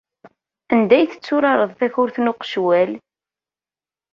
Anda ay tetturareḍ takurt n uqecwal?